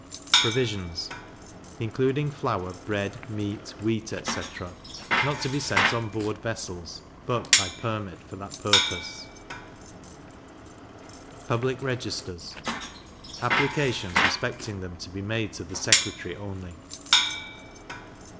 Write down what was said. Provisions including flour, bread, meat, wheat, etc. not to be sent on board vessels, but by permit for that purpose. Public Registers applications respecting them to be made to the secretary only.